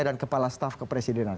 dan kepala staff kepresidenan